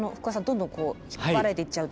どんどんこう引っ張られていっちゃうと。